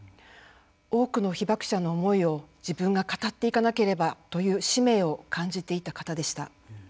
多くの被爆者の思いを自分が語っていかなければという使命を感じていた方でした。